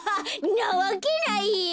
んなわけないよ。